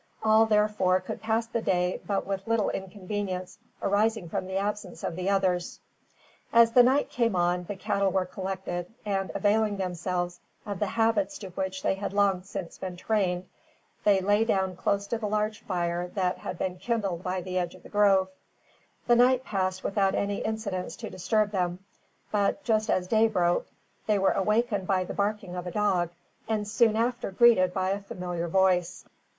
All, therefore, could pass the day with but little inconvenience arising from the absence of the others. As the night came on, the cattle were collected; and, availing themselves of the habits to which they had been long since trained, they lay down close to the large fire that had been kindled by the edge of the grove. The night passed without any incidents to disturb them; but, just as day broke, they were awakened by the barking of a dog, and soon after greeted by a familiar voice.